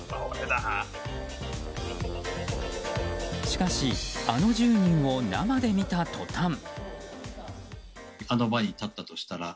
しかしあの１０人を生で見たとたん。